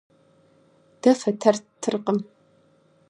Дэ фэтэр ттыркъым.